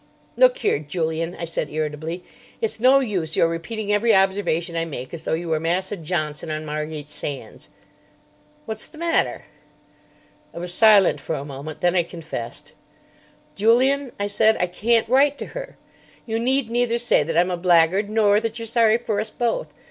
"Look here, Julian," I said irritably; "it's no use your repeating every observation I make as though you were Massa Johnson on Margate Sands." "What's the matter?" I was silent for a moment. Then I confessed. "Julian," I said, "I can't write to her. You need neither say that I'm a blackguard nor that you're sorry for us both.